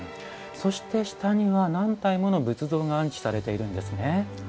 そして下には何体もの仏像が安置されているんですね。